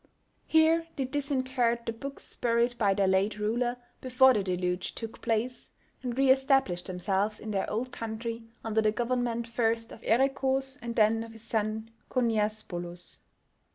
Here they disinterred the books buried by their late ruler before the Deluge took place, and re established themselves in their old country under the government first of Erekhoos, and then of his son Khoniasbolos.